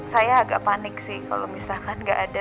saya agak panik sih kalau misalkan nggak ada